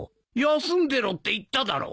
休んでろって言っただろ。